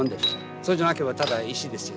そうじゃなければただ石ですよ。